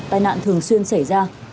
nhiều xe chết máy giữa đường